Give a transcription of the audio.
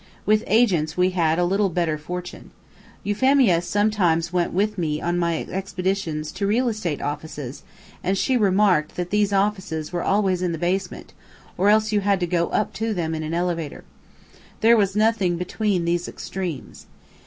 With agents we had a little better fortune. Euphemia sometimes went with me on my expeditions to real estate offices, and she remarked that these offices were always in the basement, or else you had to go up to them in an elevator. There was nothing between these extremes.